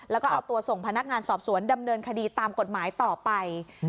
แล้วก็เอาตัวส่งพนักงานสอบสวนดำเนินคดีตามกฎหมายต่อไป